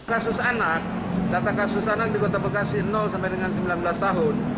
kasus anak data kasus anak di kota bekasi sampai dengan sembilan belas tahun